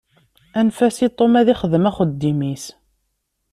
Anef-as i Tom ad ixdem axeddim-is.